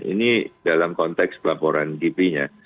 ini dalam konteks laporan kipi nya